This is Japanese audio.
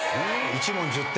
１問１０点。